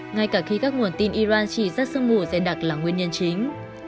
ngay cả khi các nguồn tin iran chỉ rất sương mù dây đặc là nguyên nhân chính